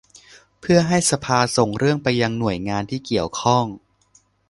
เพื่อให้สภาส่งเรื่องไปยังหน่วยงานที่เกี่ยวข้อง